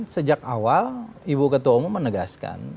sejak awal ibu ketua umum menegaskan